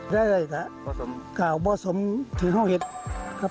ได้อะไรก็กล่าวบ่อสมถึงข้าวเห็ดครับ